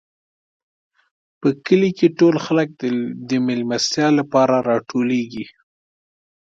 په کلي کې ټول خلک د مېلمستیا لپاره راټولېږي.